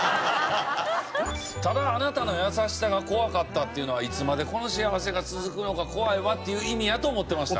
「ただ貴方のやさしさが怖かった」っていうのはいつまでこの幸せが続くのか怖いわっていう意味やと思ってました。